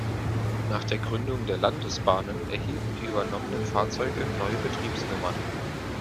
Nach der Gründung der Landesbahnen erhielten die übernommenen Fahrzeuge neue Betriebsnummern.